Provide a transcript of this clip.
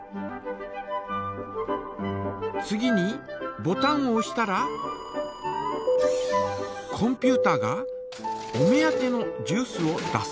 次にボタンをおしたらコンピュータがお目当てのジュースを出す。